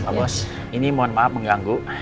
pak bos ini mohon maaf mengganggu